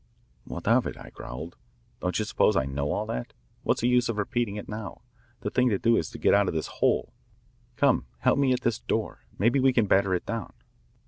"What of it?" I growled. "Don't you suppose I know all that? What's the use of repeating it now? The thing to do is to get out of this hole. Come, help me at this door. Maybe we can batter it down."